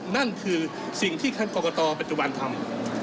นั่นคือสิ่งที่ท่านกรกตปัจจุบันทำ